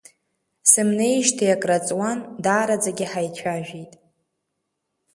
Сымнеижьҭеи акрааҵуан, даараӡагьы ҳаицәажәеит…